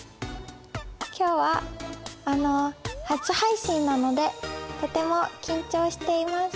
今日はあの初配信なのでとても緊張しています。